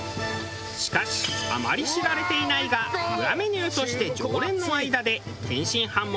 しかしあまり知られていないが裏メニューとして常連の間で天津飯も大人気だという。